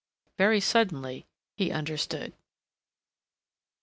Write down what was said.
Very suddenly he understood.